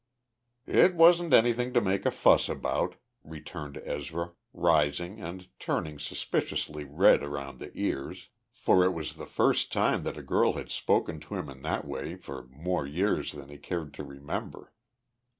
"It wasn't anything to make a fuss about," returned Ezra, rising and turning suspiciously red around the ears, for it was the first time that a girl had spoken to him in that way for more years than he cared to remember.